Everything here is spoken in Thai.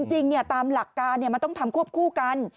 จริงตามหลักการมันต้องทำควบคู่กัน